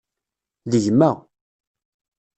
D gma.